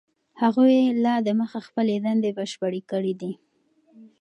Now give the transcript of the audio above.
هغوی لا دمخه خپلې دندې بشپړې کړي دي.